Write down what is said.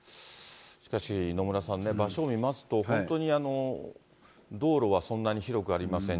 しかし野村さんね、場所を見ますと、本当に道路はそんなに広くありません。